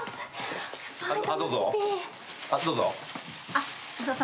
あっどうぞ。